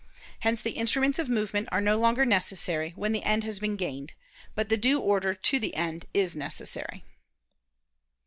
Hence the instruments of movement are no longer necessary when the end has been gained: but the due order to the end is necessary.